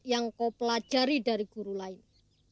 yang kau pelajari dari guru lain